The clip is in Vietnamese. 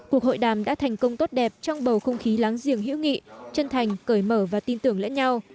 cuộc hội đàm đã thành công tốt đẹp trong bầu không khí láng giềng hữu nghị chân thành cởi mở và tin tưởng lẫn nhau